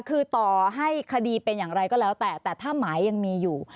คือต่อให้คดีเป็นอย่างไรก็แล้วแต่แต่ถ้าหมายยังมีอยู่